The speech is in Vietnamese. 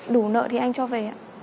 đủ nợ thì anh cho về ạ